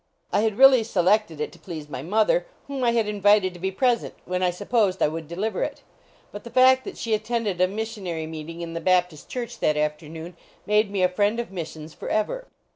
I had really selected it to please my mother, whom I had invited to be present, when I supposed I would deliver it. But the fact that she attended a missionary 262 THE STRIKE AT HINMAX S meeting in the Baptist church that afternoon made me a friend of missions forever.